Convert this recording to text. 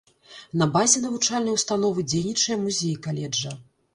На базе навучальнай установы дзейнічае музей каледжа.